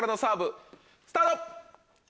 スタート！